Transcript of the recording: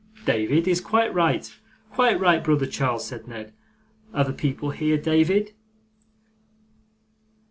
'David is quite right, quite right, brother Charles,' said Ned: 'are the people here, David?